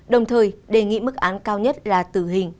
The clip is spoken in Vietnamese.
đồng thời đề nghị mức án cao nhất là tử hình